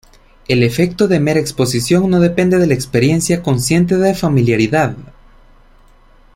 El efecto de mera exposición no depende de la experiencia consciente de familiaridad.